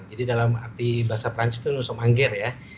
jadi dalam arti bahasa perancis itu nusom anggir ya